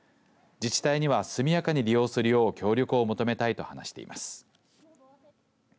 自治体には速やかに利用するよう協力を求めたいと話しています。